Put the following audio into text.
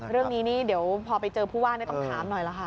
เรื่องนี้นี่เดี๋ยวพอไปเจอผู้ว่าต้องถามหน่อยล่ะค่ะ